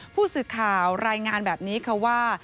ผู้สื่อข่าวรายงานแบบนี้ค่ะว่า